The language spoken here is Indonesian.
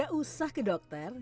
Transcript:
gak usah ke dokter